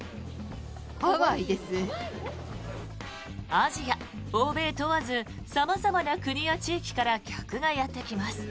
アジア、欧米問わず様々な国や地域から客がやってきます。